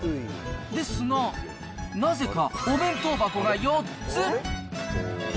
ですが、なぜかお弁当箱が４つ。